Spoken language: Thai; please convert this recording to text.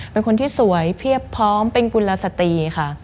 เป็นคนที่สวยเพียบพร้อมเป็นกุลสตรีค่ะ